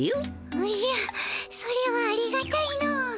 おじゃそれはありがたいの。